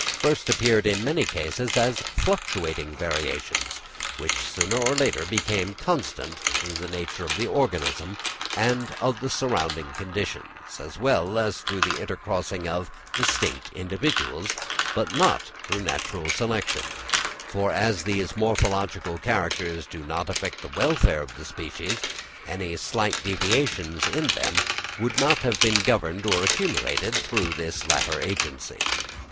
first appeared in many cases as fluctuating variations, which sooner or later became constant through the nature of the organism and of the surrounding conditions, as well as through the intercrossing of distinct individuals, but not through natural selection; for as these morphological characters do not affect the welfare of the species, any slight deviations in them could not have been governed or accumulated through this latter agency.